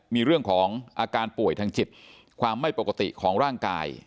มีเรื่องของอาการป่วยทางจิตความไม่ปกติของร่างกาย